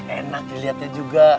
enak diliatnya juga